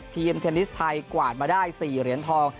เทนนิสไทยกวาดมาได้๔เหรียญทอง